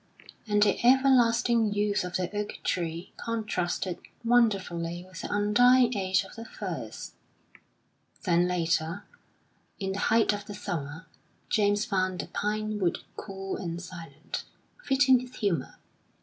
And the ever lasting youth of the oak trees contrasted wonderfully with the undying age of the firs. Then later, in the height of the summer, James found the pine wood cool and silent, fitting his humour.